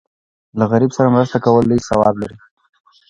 له غریب سره مرسته کول لوی ثواب لري.